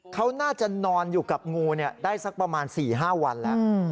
เขาน่าจะนอนอยู่กับงูได้สักประมาณ๔๕วันแล้ว